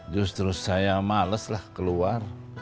justru saya males lah keluar